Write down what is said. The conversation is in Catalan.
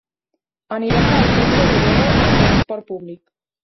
Anirem a l'Alcúdia de Veo amb transport públic.